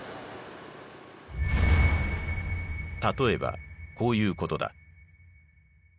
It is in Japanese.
例えばこういうことだ。